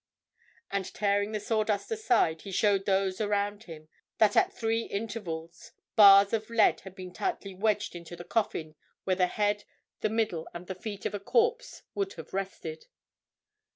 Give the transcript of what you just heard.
And tearing the sawdust aside, he showed those around him that at three intervals bars of lead had been tightly wedged into the coffin where the head, the middle, and the feet of a corpse would have rested.